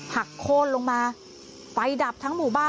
หัสโค้ดลงมา